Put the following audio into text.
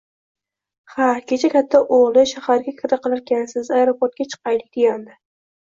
Ha, kecha katta o`g`li Shaharga kira qilarkansiz, aeroportga chiqaylik, degandi